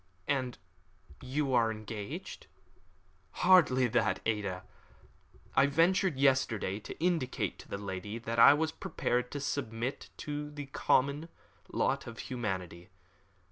"And you are engaged?" "Hardly that, Ada. I ventured yesterday to indicate to the lady that I was prepared to submit to the common lot of humanity.